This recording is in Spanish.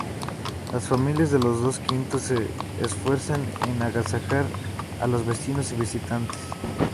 Las familias de los quintos se esfuerzan en agasajar a los vecinos y visitantes.